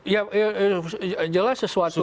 ya jelas sesuatu yang